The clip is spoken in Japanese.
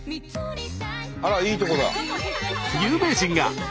あらいいとこだ。